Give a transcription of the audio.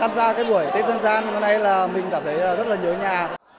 tham gia cái buổi tết dân gian hôm nay là mình cảm thấy rất là nhớ nhà